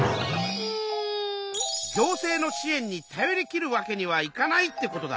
行政の支えんに頼りきるわけにはいかないってことだ。